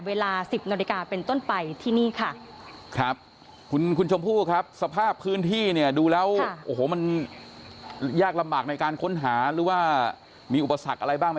จากที่ลงพื้นที่ไป